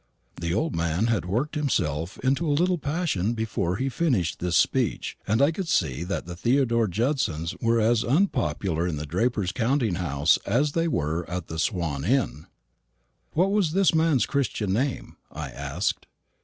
The old man had worked himself into a little passion before he finished this speech, and I could see that the Theodore Judsons were as unpopular in the draper's counting house as they were at the Swan Inn. "What was this man's Christian name?" I asked.